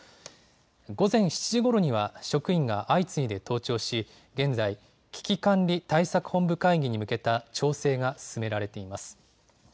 午前７時ごろには、職員が相次いで登庁し、現在、危機管理対策本部会議に向けた調整が進められています。